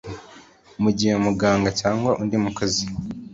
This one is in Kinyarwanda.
Mu gihe umuganga cyangwa undi mukozi